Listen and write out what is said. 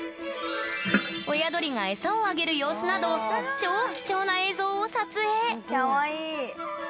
親鳥が餌をあげる様子など超貴重な映像を撮影きゃわいい！